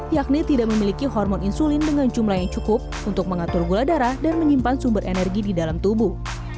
yakni tidak memiliki hormon insulin dengan jumlah yang cukup untuk mengatur gula darah dan menyimpan sumber energi di dalam tubuh